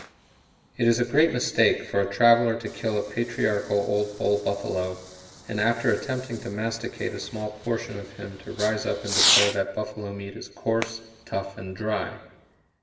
It is a great mistake for a traveler to kill a patriarchal old bull buffalo, and after attempting to masticate a small portion of him to rise up and declare that buffalo meat is coarse, tough, and dry.